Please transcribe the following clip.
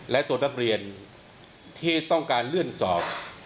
และตัวนักเรียนที่ต้องการเลื่อนสอบ